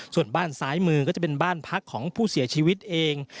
ส่วนบ้านซ้ายมือก็จะเป็นบ้านพักของผู้เสียชีวิตเอง